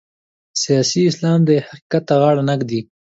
سیاسي اسلام دې حقیقت ته غاړه نه ږدي.